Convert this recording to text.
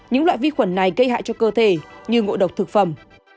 những loại vi khuẩn này gây hại cho cơ thể như ngộ độc thực phẩm